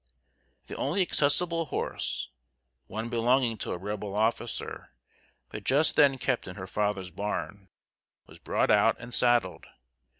The only accessible horse (one belonging to a Rebel officer, but just then kept in her father's barn) was brought out and saddled.